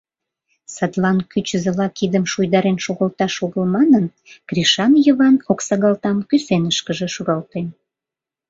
Садлан кӱчызыла кидым шуйдарен шогылташ огыл манын, Кришан Йыван оксагалтам кӱсенышкыже шуралтен.